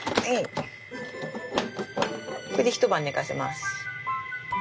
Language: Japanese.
これで一晩寝かせます。